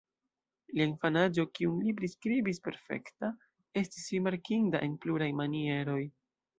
Lia infanaĝo, kiun li priskribis "perfekta", estis rimarkinda en pluraj manieroj.